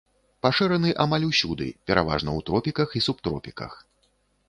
Пашыраны амаль усюды, пераважна ў тропіках і субтропіках.